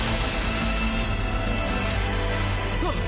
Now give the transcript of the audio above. あっ！